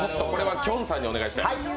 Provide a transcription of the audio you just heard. きょんさんお願いします。